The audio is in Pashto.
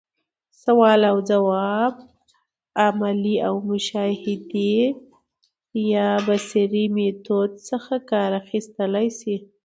سوال اوځواب، عملي او مشاهدي يا بصري ميتود څخه کار اخستلاي سي.